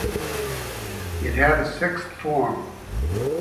It had a sixth form.